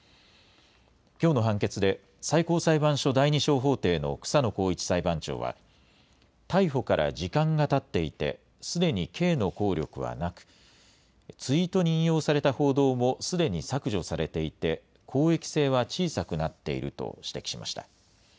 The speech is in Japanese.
きょうの判決で、最高裁判所第２小法廷の草野耕一裁判長は、逮捕から時間がたっていて、すでに刑の効力はなく、ツイートに引用された報道もすでに削除されていて、公益性は小さくなっていると指摘しました。